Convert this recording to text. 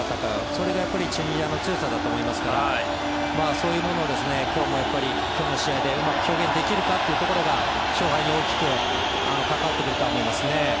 それがチュニジアの強さだと思いますからそういうものを今日の試合でうまく表現できるかというところが勝敗に大きく関わってくると思いますね。